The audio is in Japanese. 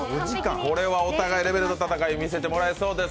これはお互いレベルの高い戦いを見せてもらえそうです。